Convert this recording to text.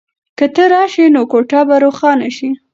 که ته راشې نو کوټه به روښانه شي.